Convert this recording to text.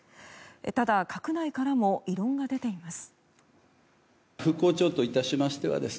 ただ、閣内からも異論が出ています。